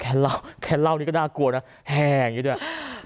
แค่เล่านี้ก็น่ากลัวนะแห่อย่างนี้ด้วย